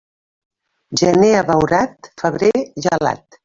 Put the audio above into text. Gener abeurat, febrer gelat.